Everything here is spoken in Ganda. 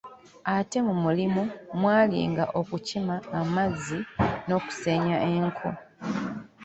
Ate mu mulimu mwalinga okukima amazzi n’okusennya enku.